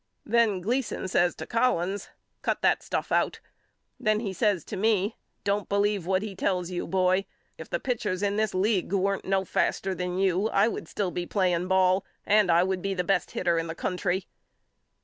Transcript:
Then Gleason says to Collins Cut that stuff out. Then he says to me Don't believe what he tells you boy. If the pitchers in this league weren't no faster than you I would still be play ing ball and I would be the best hitter in the country.